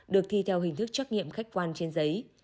được thi theo hình thức trắc nghiệm khách quan trên giấy